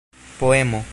poemo